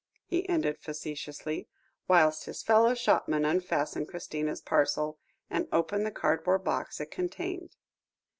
he ended facetiously, whilst his fellow shopman unfastened Christina's parcel, and opened the cardboard box it contained.